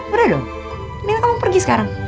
udah dong mendingan kamu pergi sekarang